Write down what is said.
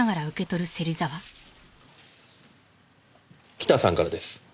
北さんからです。